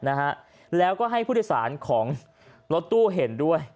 นะฮะแล้วก็ให้ผู้โดยสารของรถตู้เห็นด้วย